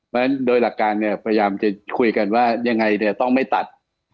เพราะฉะนั้นโดยหลักการเนี่ยพยายามจะคุยกันว่ายังไงเนี่ยต้องไม่ตัด